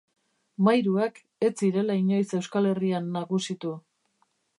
Mairuak ez zirela inoiz Euskal Herrian nagusitu.